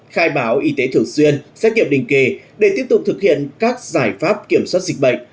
khai báo y tế thường xuyên xét kiệm đình kề để tiếp tục thực hiện các giải pháp kiểm soát dịch bệnh